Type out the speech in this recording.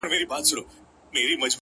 جدايي وخوړم لاليه! ستا خبر نه راځي!